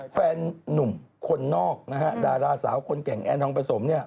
แฟนหนุ่มคนนอกดาราสาวคนแก่งแอนทองประสม